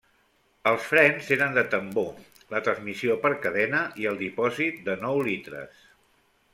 Els frens eren de tambor, la transmissió per cadena i el dipòsit de nou litres.